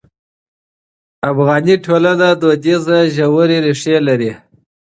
افغاني ټولنه دودیزې ژورې ریښې لري.